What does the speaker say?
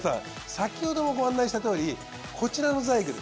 先ほどもご案内したとおりこちらのザイグル。